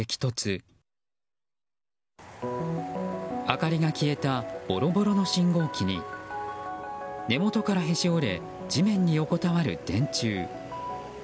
明かりが消えたぼろぼろの信号機に根元からへし折れ地面に横たわる電柱。